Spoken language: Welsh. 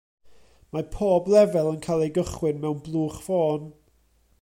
Mae pob lefel yn cael ei gychwyn mewn blwch ffôn.